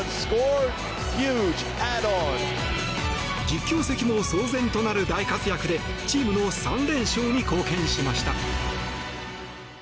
実況席も騒然となる大活躍でチームの３連勝に貢献しました。